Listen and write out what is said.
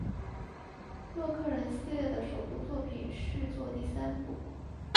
洛克人系列的首部作品续作第三部。